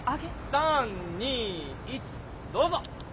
３２１どうぞ。